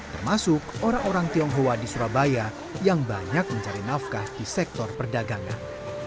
termasuk orang orang tionghoa di surabaya yang banyak mencari nafkah di sektor perdagangan